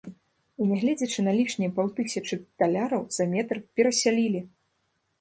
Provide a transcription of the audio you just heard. І не гледзячы на лішнія паўтысячы даляраў за метр перасялілі!